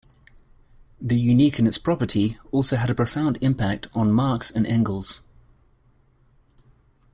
"The Unique And Its Property" also had a profound impact on Marx and Engels.